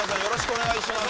お願いします